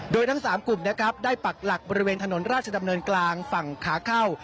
โดยทั้ง๓กลุ่มนะครับได้ปักหลักบริเวณถนนราชดำเนินกลางฝั่งขาเข้า